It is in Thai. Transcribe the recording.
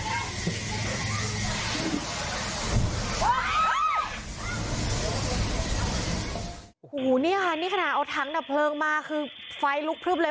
โอ้โหนี่ค่ะนี่ขนาดเอาถังดับเพลิงมาคือไฟลุกพลึบเลย